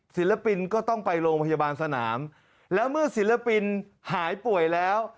ศิลปินก็ต้องไปโรงพยาบาลสนามแล้วเมื่อศิลปินหายป่วยแล้ว